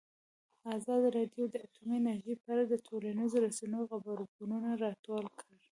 ازادي راډیو د اټومي انرژي په اړه د ټولنیزو رسنیو غبرګونونه راټول کړي.